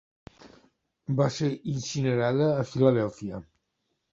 Va ser incinerada a Filadèlfia.